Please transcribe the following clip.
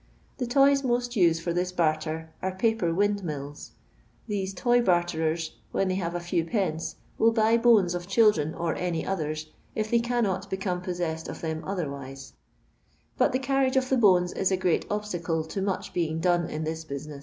The toys most used for this barter are paper "wind mills." These toy barterers, when they have a few pence, will boy bones of children or any others, if they cannot become possessed of them otherwise; but the carriage of the bones is a great obstacle to much being done in this buaincM.